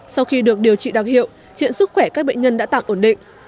sau khi được điều trị đặc hiệu hiện sức khỏe các bệnh nhân đã tạm ổn định